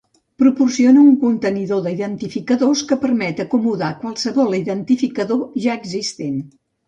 Proporciona un contenidor d'identificadors que permet acomodar qualsevol identificador ja existent.